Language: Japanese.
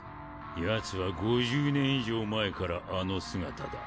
ヤツは５０年以上前からあの姿だ。